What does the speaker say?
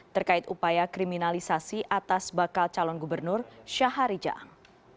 terkait upaya kriminalisasi atas bakal calon gubernur syahari jaang